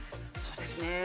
そうですね